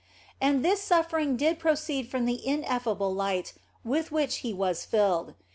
And this suffering did proceed from the ineffable light with which He was filled.